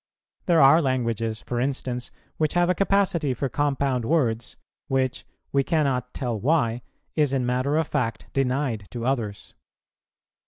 There are languages, for instance, which have a capacity for compound words, which, we cannot tell why, is in matter of fact denied to others.